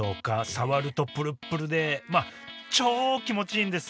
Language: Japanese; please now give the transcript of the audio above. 触るとプルプルで超気持ちいいんです！